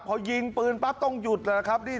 ขอยิงปืนปั๊กต้องอยู่ที่ไหน